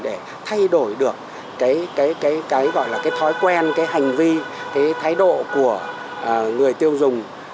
để thay đổi được cái gọi là cái thói quen cái hành vi cái thái độ của người tiêu dùng